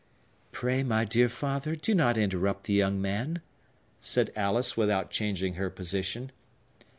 "Pray, my dear father, do not interrupt the young man," said Alice, without changing her position.